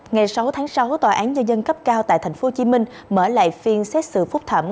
ngày sáu tháng sáu tòa án nhân dân cấp cao tại tp hcm mở lại phiên xét xử phúc thẩm